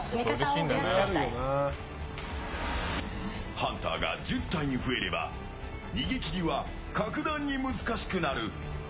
ハンターが１０体に増えれば逃げ切りは格段に難しくなる。